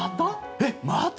えっ、また？